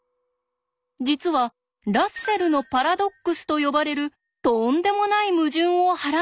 実はラッセルのパラドックスと呼ばれるとんでもない矛盾をはらんでいるのです。